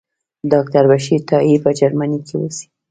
ډاکټر بشیر تائي په جرمني کې اوسي.